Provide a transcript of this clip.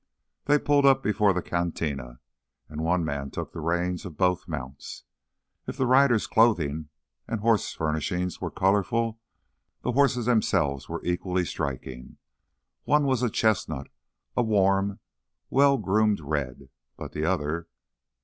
They pulled up before the cantina, and one man took the reins of both mounts. If the riders' clothing and horse furnishings were colorful, the horses themselves were equally striking. One was a chestnut, a warm, well groomed red. But the other